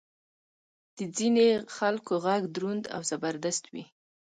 د ځینې خلکو ږغ دروند او زبردست وي.